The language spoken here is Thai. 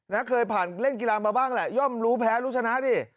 เคยผ่านเล่นกีฬามาบ้างแหละย่อมรู้แพ้รู้ชนะดิ